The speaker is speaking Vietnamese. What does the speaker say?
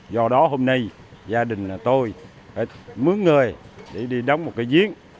do đó hôm nay gia đình tôi phải mướn người để đi đóng một cái diễn